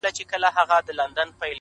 o په سپينه زنه كي خال ووهي ويده سمه زه،